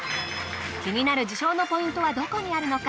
気になる受賞のポイントはどこにあるのか？